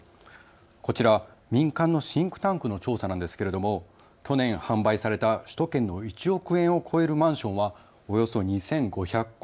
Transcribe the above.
こちら民間のシンクタンクの調査なんですけれども去年、販売された首都圏の１億円を超えるマンションはおよそ２５００戸。